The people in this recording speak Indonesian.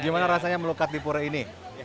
gimana rasanya melukat di pura ini